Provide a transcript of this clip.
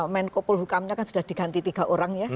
menkopol hukamnya kan sudah diganti tiga orang ya